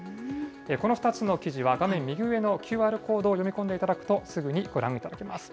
この２つの記事は、画面右上のＱＲコードを読み込んでいただくと、すぐにご覧いただけます。